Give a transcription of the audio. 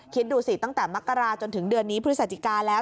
คิดดูสิตั้งแต่มกราจนถึงเดือนนี้พฤศจิกาแล้ว